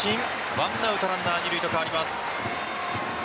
１アウトランナー二塁と変わります。